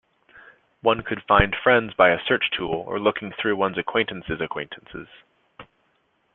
One could find friends by a search tool or looking through one's acquaintances' acquaintances.